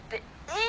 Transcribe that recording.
え！